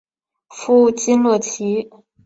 夫金乐琦。